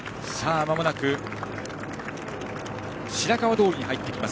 まもなく白川通に入ってきます。